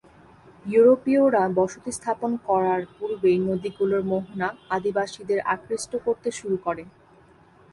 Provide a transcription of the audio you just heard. ইউরোপীয়রা বসতি স্থাপন করার পূর্বেই নদীগুলোর মোহনা আদিবাসীদের আকৃষ্ট করতে শুরু করে।